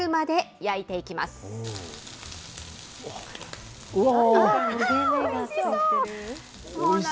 おいしそう！